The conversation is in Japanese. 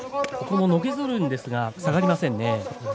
のけぞるんですが下がりませんね。